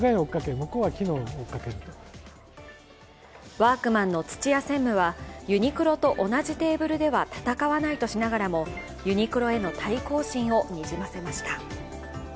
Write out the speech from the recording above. ワークマンの土屋専務はユニクロと同じテーブルでは戦わないとしながらも、ユニクロへの対抗心をにじませました。